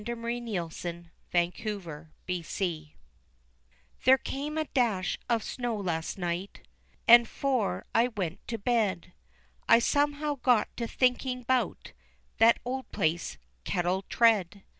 ] Reminiscences There came a dash of snow last night, An' 'fore I went to bed, I somehow got to thinkin' 'bout That old place, Kettletread.